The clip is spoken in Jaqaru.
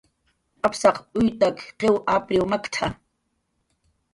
"Apsaq uyutak qiw apriw makt""a"